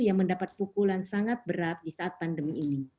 yang mendapat pukulan sangat berat di saat pandemi ini